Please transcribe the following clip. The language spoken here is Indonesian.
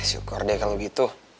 syukur deh kalau gitu